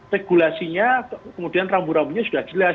regulasinya kemudian rambu rambunya sudah jelas